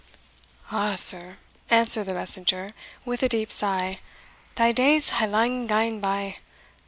"Ah sir," answered the messenger, with a deep sigh, "thae days hae lang gane by.